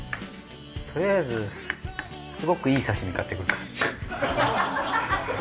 とりあえずすごくいい刺身買ってくるかな。